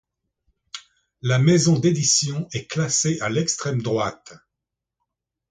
La maison d’édition est classée à l'extrême droite.